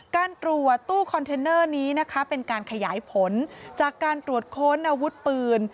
การตรวจตู้คอนเทนเนอร์นี้นะคะเป็นการขยายผลจากการตรวจค้นอาวุธปืน